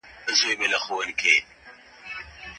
د خوشبختۍ قانون ذهن اراموي.